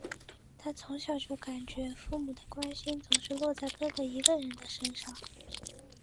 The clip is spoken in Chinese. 她从小就感觉父母的关心总是落在哥哥一个人的身上。